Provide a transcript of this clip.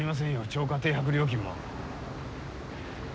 超過停泊料金も。